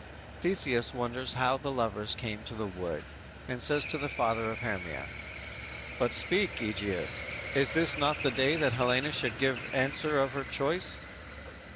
Theseus wonders how the lovers came to the wood, and says to the father of Hermia: _"But speak, Egeus; is not this the day That Helena should give answer of her choice?"